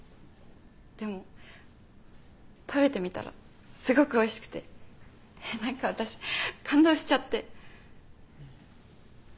でも食べてみたらすごくおいしくて何か私感動しちゃって。